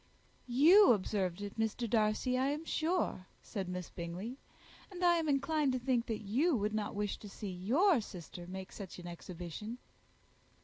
"You observed it, Mr. Darcy, I am sure," said Miss Bingley; "and I am inclined to think that you would not wish to see your sister make such an exhibition."